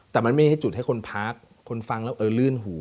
แต่มันไม่ใช่จุดให้คนพักคนฟังแล้วเออลื่นหู